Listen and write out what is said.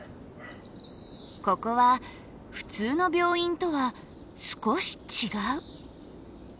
ここは普通の病院とは少し違う。